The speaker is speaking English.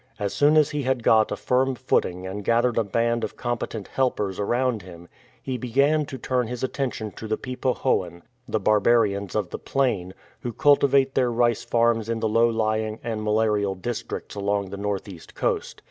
As soon as he had got a firm footing and gathered a band of competent helpers around him, he began to turn his attention to the Pe po hoan, the " barbarians of the plain,'"* who cultivate their rice farms in the low lying and malarial districts along the north east coast.